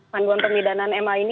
panduan pemidanaan ma ini